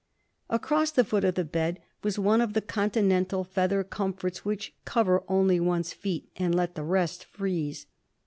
Across the foot of the bed was one of the Continental feather comforts which cover only one's feet and let the rest freeze.